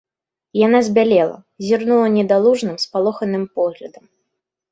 Яна збялела, зірнула недалужным, спалоханым поглядам.